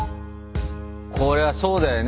これはそうだよね